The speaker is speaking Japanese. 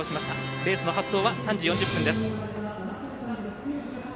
レースの発走は３時４０分です。